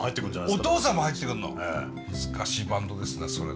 難しいバンドですねそれは。